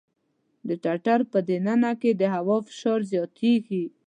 د ټټر په د ننه کې د هوا فشار زیاتېږي.